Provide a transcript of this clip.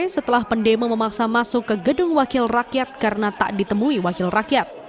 setelah pendemo memaksa masuk ke gedung wakil rakyat karena tak ditemui wakil rakyat